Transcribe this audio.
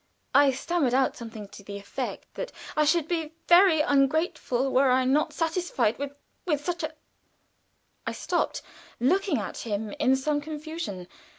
I stammered out something to the effect that "I should be very ungrateful were I not satisfied with with such a " I stopped, looking at him in some confusion.